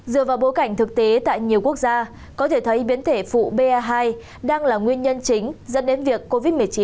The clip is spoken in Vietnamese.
dựa vào bối cảnh thực tế tại nhiều quốc gia có thể thấy biến thể phụ ba hai đang là nguyên nhân chính dẫn đến việc covid một mươi chín